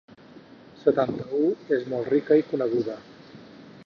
Setanta-u és molt rica i coneguda.